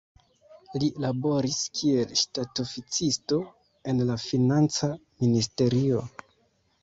Li laboris kiel ŝtatoficisto en la financa ministerio.